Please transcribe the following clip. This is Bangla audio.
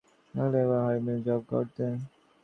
তিনি একটি ছাতা নিয়ে বসে থাকতেন এবং হরিনাম জপ করতেন।